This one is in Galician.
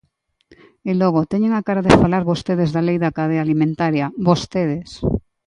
E logo teñen a cara de falar vostedes da Lei da cadea alimentaria, ¡vostedes!